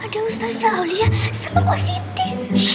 ada ustazah aulia sama positi